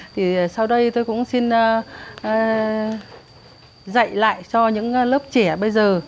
thì sau đây tôi cũng xin dạy lại cho những lớp trẻ bây giờ